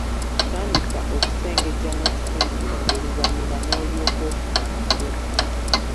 Tandika okusengejja n'okusunsula oluvannyuma n'olyoka ofuna amakulu.